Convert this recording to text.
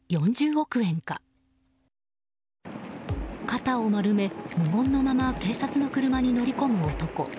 肩を丸め、無言のまま警察の車に乗り込む男。